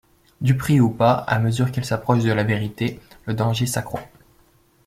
Duperie ou pas, à mesure qu'elle s'approche de la vérité, le danger s'accroît.